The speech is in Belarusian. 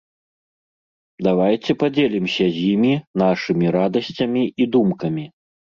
Давайце падзелімся з імі нашымі радасцямі і думкамі.